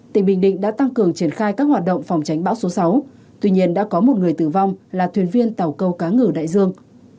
tỉnh bình định đã tăng cường triển khai các hoạt động phòng tránh bão số sáu tuy nhiên đã có một người tử vong là thuyền viên tàu câu cá ngửa đại dương